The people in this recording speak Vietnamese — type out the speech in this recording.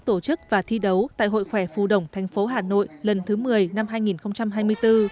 trong tác tổ chức và thi đấu tại hội khỏe phu đồng tp hà nội lần thứ một mươi năm hai nghìn hai mươi bốn